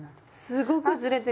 すごくずれてる！